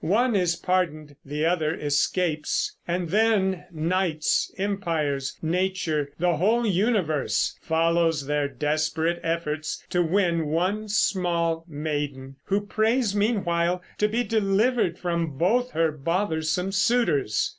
One is pardoned; the other escapes; and then knights, empires, nature, the whole universe follows their desperate efforts to win one small maiden, who prays meanwhile to be delivered from both her bothersome suitors.